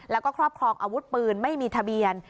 แล้วก็ครอบครองอาวุธปืนไม่มีทะเบียน